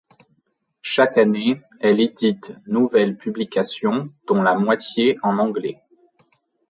Chaque année, elle édite nouvelles publications dont la moitié en anglais.